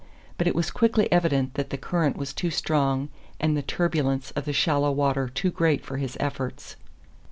But it was quickly evident that the current was too strong and the turbulence of the shallow water too great for his efforts.